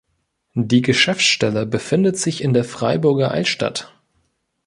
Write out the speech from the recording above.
Die Geschäftsstelle befindet sich in der Freiburger Altstadt.